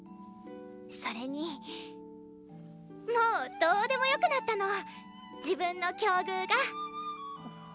それにもうどうでもよくなったの自分の境遇が。